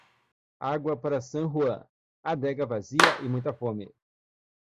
Água para San Juan, adega vazia e muita fome.